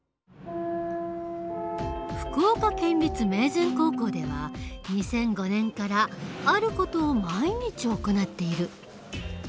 福岡県立明善高校では２００５年からある事を毎日行っている。